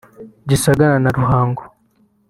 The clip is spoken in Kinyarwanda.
Gisagara na Ruhango